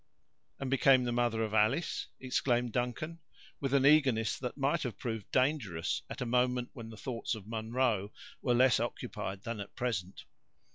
"And became the mother of Alice?" exclaimed Duncan, with an eagerness that might have proved dangerous at a moment when the thoughts of Munro were less occupied that at present.